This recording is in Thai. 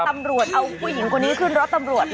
ตำรวจเอาผู้หญิงคนนี้ขึ้นรถตำรวจ